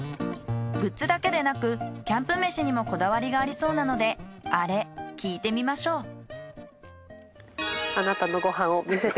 グッズだけでなくキャンプ飯にもこだわりがありそうなのでアレ聞いてみましょう。